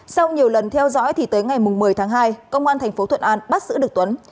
sau nhiều lần theo dõi tới ngày một mươi tháng hai công an tp thuận an bắt giữ được tuấn